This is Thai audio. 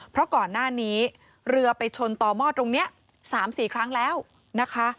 เพราะก่อนหน้านี้เรือไปชนต่อหม้อตรงนี้๓๔ครั้งแล้วนะคะ